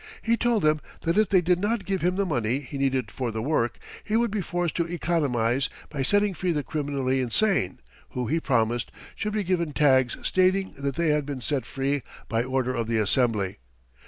He told them that if they did not give him the money he needed for the work, he would be forced to economize by setting free the criminally insane, who, he promised, should be given tags stating that they had been set free by order of the Assembly.